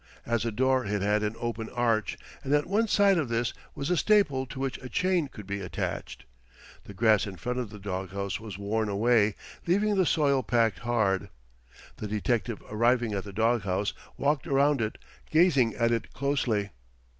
As a door it had an open arch, and at one side of this was a staple to which a chain could be attached. The grass in front of the dog house was worn away, leaving the soil packed hard. The detective, arriving at the dog house, walked around it, gazing at it closely.